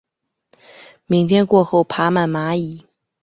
明天过后爬满蚂蚁